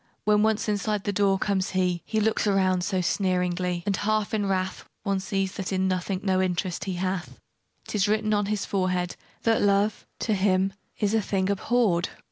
When once inside the door comes he, He looks around so sneeringly, And half in wrath: One sees that in nothing no interest he hath: 'Tis written on his very forehead That love, to him, is a thing abhorréd.